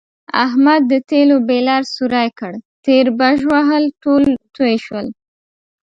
احمد د تېلو بیلر سوری کړ، تېلو بژوهل ټول تویې شول.